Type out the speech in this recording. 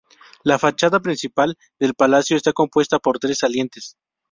La fachada principal del palacio está compuesta por tres salientes.